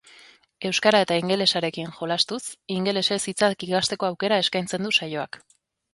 Euskara eta ingelesarekin jolastuz, ingelesez hitzak ikasteko aukera eskaintzen du saioak.